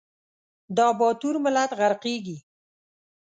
دا باتور ملت غرقیږي